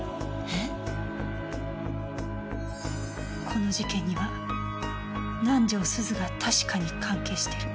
この事件には南条すずが確かに関係してる。